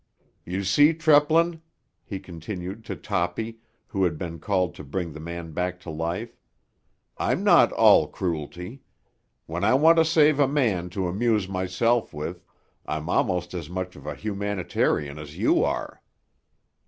You see, Treplin," he continued to Toppy, who had been called to bring the man back to life, "I'm not all cruelty. When I want to save a man to amuse myself with I'm almost as much of a humanitarian as you are."